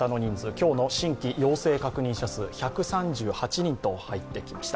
今日の新規陽性確認者数は１３８人と入ってきました。